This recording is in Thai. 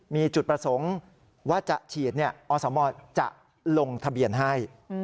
มีจุดประสงค์ว่าจะฉีดอสมจะลงทะเบียนให้